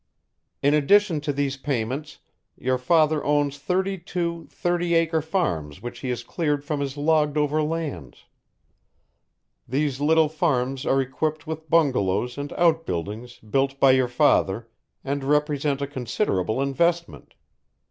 "In addition to these payments, your father owns thirty two thirty acre farms which he has cleared from his logged over lands. These little farms are equipped with bungalows and outbuildings built by your father and represent a considerable investment.